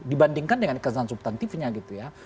dibandingkan dengan kesan subtantifnya gitu ya